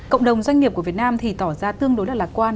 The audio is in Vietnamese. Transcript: cộng đồng doanh nghiệp của việt nam thì tỏ ra tương đối là lạc quan